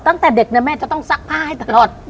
ตั้งแต่เด็กนะแม่จะต้องซักผ้าให้ตลอด